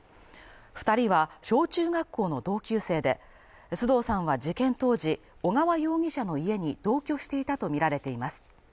２人は小・中学校の同級生で須藤さんは事件当時小川容疑者の家に同居していたとみられています。